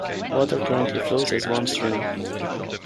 Water currently flows as one stream.